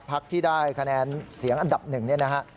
พักที่ได้คะแนนเสียงอันดับหนึ่งเนี่ยนะฮะ